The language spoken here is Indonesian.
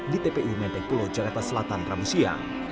di tpi mente kulo jakarta selatan ramusia